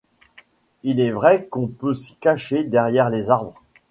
Il est vrai qu’on peut s’y cacher derrière les arbres.